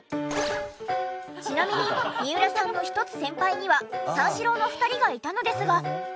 ちなみに三浦さんの１つ先輩には三四郎の２人がいたのですが。